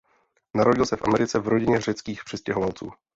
Narodil se v Americe v rodině řeckých přistěhovalců.